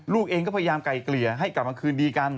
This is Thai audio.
ลูกเองก็พยายามไก่เกลี่ยให้กลับมาคืนดีกัน